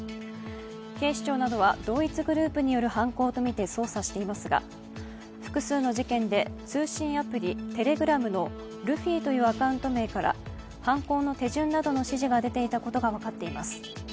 警視庁などは同一グループによる犯行とみて捜査していますが、複数の事件で通信アプリ、Ｔｅｌｅｇｒａｍのルフィというアカウント名から犯行の手順などの指示が出ていたことが分かっています。